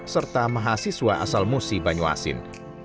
serta mahasiswa asal musi banyu asin